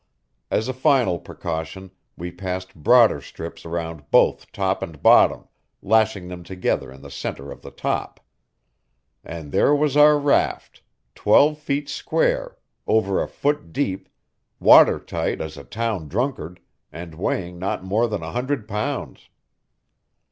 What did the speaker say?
As a final precaution, we passed broader strips around both top and bottom, lashing them together in the center of the top. And there was our raft, twelve feet square, over a foot deep, water tight as a town drunkard, and weighing not more than a hundred pounds.